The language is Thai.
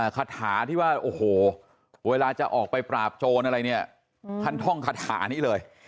คาถาที่ว่าโอ้โหเวลาจะออกไปปราบโจรอะไรเนี่ยท่านท่องคาถานี้เลย